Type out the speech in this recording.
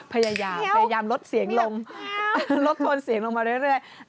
พยายามพยายามลดเสียงลงลดโทนเสียงลงมาเรื่อย